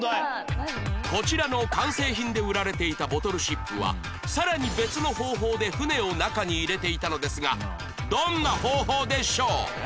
こちらの完成品で売られていたボトルシップはさらに別の方法で船を中に入れていたのですがどんな方法でしょう？